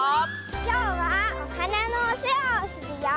きょうはおはなのおせわをするよ！